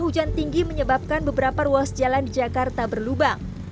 jalan di jakarta berlubang